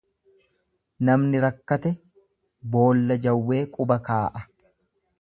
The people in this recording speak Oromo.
Namni rakkate boolla jawwee quba kaa'a.